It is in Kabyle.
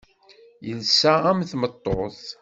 Yelsa am tmeṭṭut.